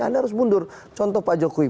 anda harus mundur contoh pak jokowi